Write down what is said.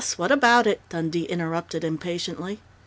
What about it?" Dundee interrupted impatiently.